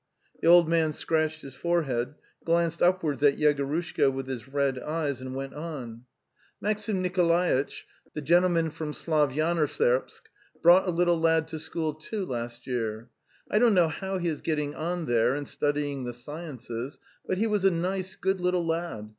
The old man scratched his forehead, glanced up wards at Yegorushka with his red eyes, and went on: The Steppe 219 "Maxim Nikolaitch, the gentleman from Slav yanoserbsk, brought a little lad to school, too, last year. I don't know how he is getting on there in studying the sciences, but he was a nice good little lad.